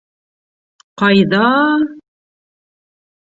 Ҡайҙа-а-а...